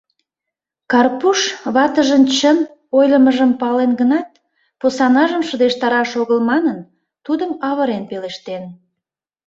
Карпуш ватыжын чын ойлымыжым пален гынат, посанажым шыдештараш огыл манын, тудым авырен пелештен: